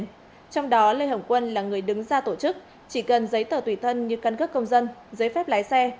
trong đó lê hồng quân là người đứng ra tổ chức chỉ cần giấy tờ tùy thân như căn cước công dân giấy phép lái xe